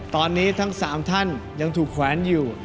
ตอนนี้ทั้ง๓ท่านยังถูกแขวนอยู่